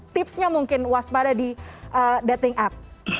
tipsnya mungkin waspada di dating up